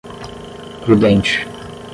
prudente